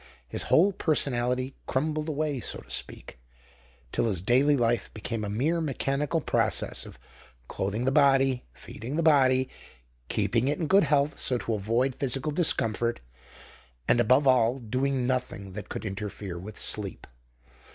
His whole personality crumbled away, so to speak, till his daily life became a mere mechanical process of clothing the body, feeding the body, keeping it in good health so as to avoid physical discomfort, and, above all, doing nothing that could interfere with sleep.